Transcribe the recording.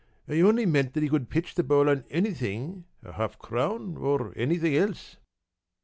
p> "I only meant that he could pitch the ball on anything a half crown or anything else."